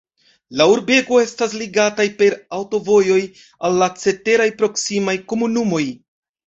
La urbego estas ligataj per aŭtovojoj al la ceteraj proksimaj komunumoj.